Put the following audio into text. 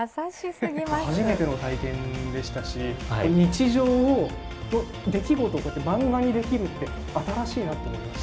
初めての体験でしたし、日常を出来事をマンガにできるって新しいなと思いました。